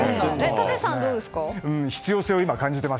立石さんはどうですか？